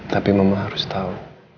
tapi mama harus tahu